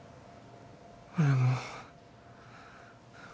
俺も。